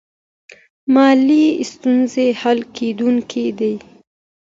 مالي ستونزې حل کیدونکې دي.